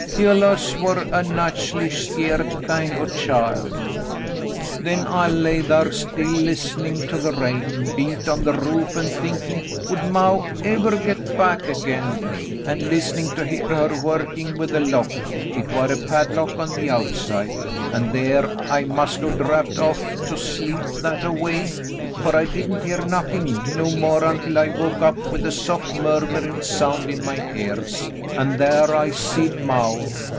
He alluz war a natch'ly skeered kind o' child. "Then I lay thar still, list'nin' to the rain beat on the David makes a Discovery 81 roof, an' thinkin' would maw ever get back again, an' list'nin' to hear her workin' with the lock — hit war a padlock on the outside — an' thar I must o' drapped off to sleep that a way, fer I didn't hear nothin', no more until I woke up with a soft murmurin' sound in my ears, an' thar I seed maw.